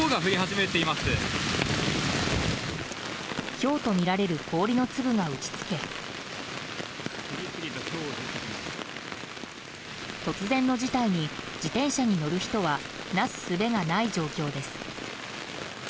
ひょうとみられる氷の粒が打ち付け突然の事態に、自転車に乗る人はなすすべがない状況です。